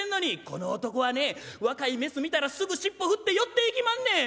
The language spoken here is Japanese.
「この男はね若い雌見たらすぐ尻尾振って寄っていきまんねん！」。